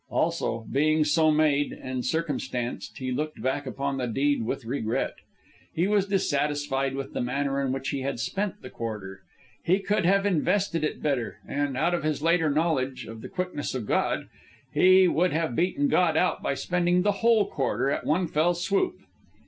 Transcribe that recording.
Also, being so made, and circumstanced, he looked back upon the deed with regret. He was dissatisfied with the manner in which he had spent the quarter. He could have invested it better, and, out of his later knowledge of the quickness of God, he would have beaten God out by spending the whole quarter at one fell swoop.